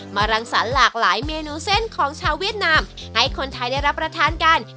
รังสรรคหลากหลายเมนูเส้นของชาวเวียดนามให้คนไทยได้รับประทานกัน